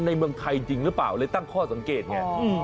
เมืองไทยจริงหรือเปล่าเลยตั้งข้อสังเกตไง